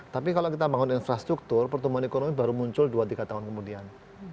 tapi kalau kita membangun infrastruktur pertumbuhan ekonomi baru muncul dua tiga tahun kemudian